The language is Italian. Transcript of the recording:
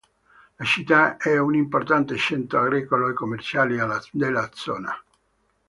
La città è un importante centro agricolo e commerciale della zona.